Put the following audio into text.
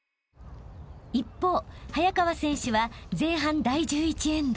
［一方早川選手は前半第１１エンド］